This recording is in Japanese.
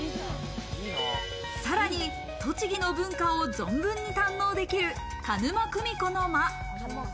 さらに栃木の文化を存分に堪能できる鹿沼組子の間。